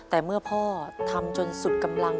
แต่เมื่อพ่อทำจนสุดกำลัง